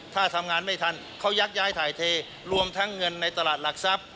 ถ้าทำงานไม่ทันเขายักย้ายถ่ายเทรวมทั้งเงินในตลาดหลักทรัพย์